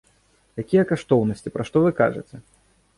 Якія каштоўнасці, пра што вы кажаце!